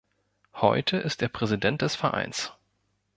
Heute ist er Präsident des Vereins.